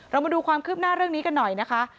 มาดูความคืบหน้าเรื่องนี้กันหน่อยนะคะ